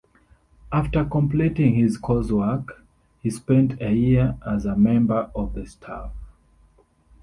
After completing his coursework, he spent a year as a member of the staff.